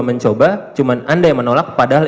mencoba cuman anda yang menolak padahal